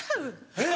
えっ？